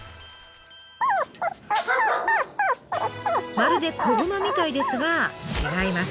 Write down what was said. まるで子熊みたいですが違います！